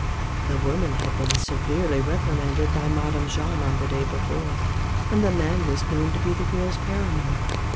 The woman had been severely reprimanded by Madame jahn on the day before, and the man was known to be the girl's paramour.